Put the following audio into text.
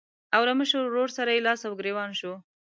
او له مشر ورور سره لاس او ګرېوان شو.